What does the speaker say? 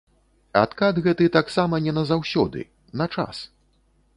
Адкат гэты таксама не на заўсёды, на час.